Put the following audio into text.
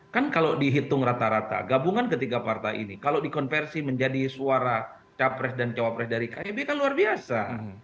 kan kalau dihitung rata rata gabungan ketiga partai ini kalau dikonversi menjadi suara capres dan cawapres dari kib kan luar biasa